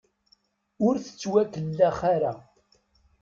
Ur tettwakellax ara.